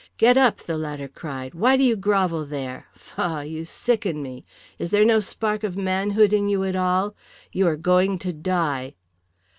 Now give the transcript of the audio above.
"Get up!" the latter cried. "Why do you grovel there? Faugh! you sicken me. Is there no spark of manhood in you at all? You are going to die."